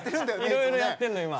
いろいろやってるの今。